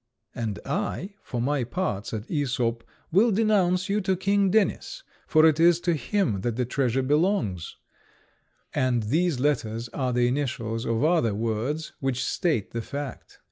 "And I, for my part," said Æsop, "will denounce you to King Denys, for it is to him that the treasure belongs, and these letters are the initials of other words which state the fact."